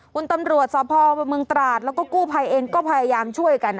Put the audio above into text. คุณตำรวจสพเมืองตราดแล้วก็กู้ภัยเองก็พยายามช่วยกัน